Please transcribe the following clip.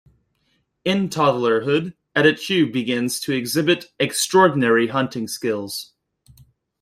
In toddlerhood, Edechewe begins to exhibit extraordinary hunting skills.